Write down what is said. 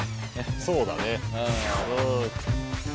そうだね。